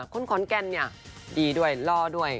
คนขอนแก่นเนี่ยดีด้วยล่อด้วย